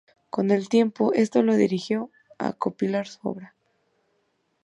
Con el tiempo esto lo dirigió a compilar su obra.